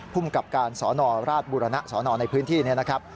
ภูมิกับการสนราชบุรณะสนในพื้นที่นี้นะครับ